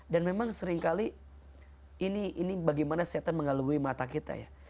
dan memang seringkali ini bagaimana setan mengalami mata kita ya